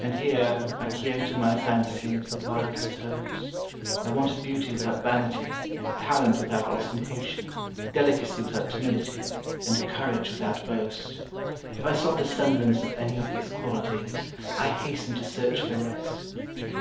And here, I quixoted my fancy into the wildest hopes. I wanted beauty without vanity, talent without ostentation, delicacy without timidity, and courage without boast. If I saw the semblance of any of these qualities, I hastened to search for the rest.